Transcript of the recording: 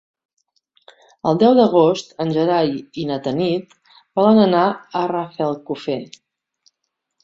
El deu d'agost en Gerai i na Tanit volen anar a Rafelcofer.